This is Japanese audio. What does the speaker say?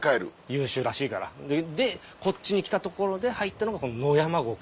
「優秀らしいから」でこっちに来たところで入ったのが野山獄。